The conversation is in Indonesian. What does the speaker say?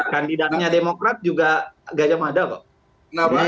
kandidatnya demokrat juga gajah ada kok